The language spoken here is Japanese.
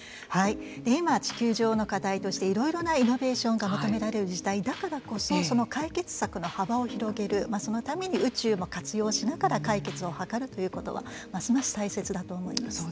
今、地球上の課題としていろいろなイノベーションが求められる時代だからこそその解決策の幅を広げるそのために宇宙も活用しながら解決を図るということはますます大切だと思います。